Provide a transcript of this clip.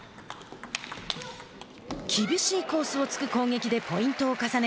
厳しいコースを突く攻撃でポイントを重ね